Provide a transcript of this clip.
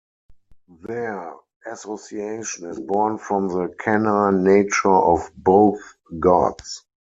Their association is born from the canine nature of both gods.